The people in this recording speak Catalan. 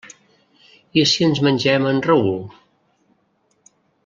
I si ens mengem en Raül?